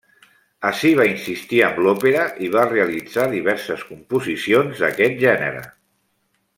Ací va insistir amb l'òpera, i va realitzar diverses composicions d'aquest gènere.